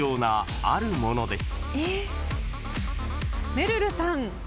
めるるさん。